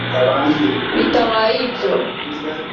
Bitabaye ibyo